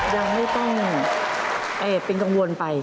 ยังไม่ต้องเอ๊กซ์เป็นกังวลไป